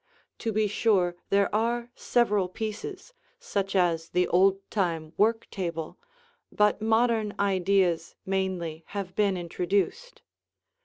To be sure there are several pieces, such as the old time work table, but modern ideas mainly have been introduced.